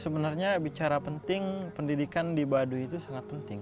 sebenarnya bicara penting pendidikan di baduy itu sangat penting